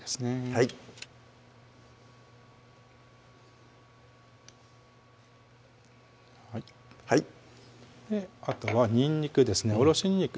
はいはいはいあとはにんにくですねおろしにんにく